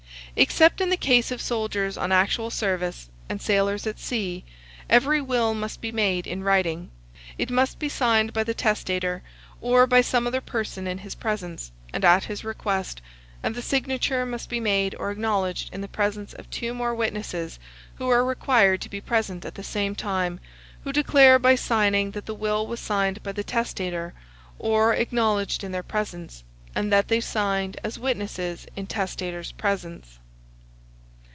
Except in the case of soldiers on actual service, and sailors at sea, every will must be made in writing. It must be signed by the testator, or by some other person in his presence, and at his request, and the signature must be made or acknowledged in the presence of two or more witnesses, who are required to be present at the same time, who declare by signing that the will was signed by the testator, or acknowledged in their presence, and that they signed as witnesses in testator's presence.